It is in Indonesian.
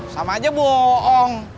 sama aja bohong